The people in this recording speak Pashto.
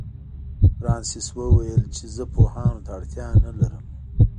فرانسس ورته وویل چې زه پوهانو ته اړتیا نه لرم.